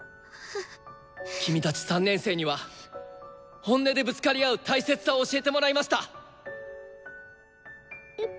君たち３年生には本音でぶつかり合う大切さを教えてもらいました。